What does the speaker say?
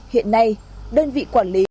hiện nay đơn vị quản lý